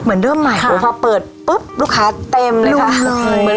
เหมือนเริ่มใหม่ค่ะพอเปิดปุ๊บลูกค้าเต็มเลยค่ะลุงเลย